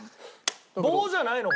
棒じゃないの？